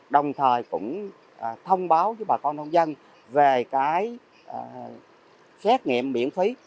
đồng thời cũng thông báo cho bà con nông dân về cái xét nghiệm miễn phí